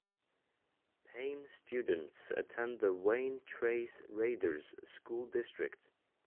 Payne students attend the Wayne Trace "Raiders" school district.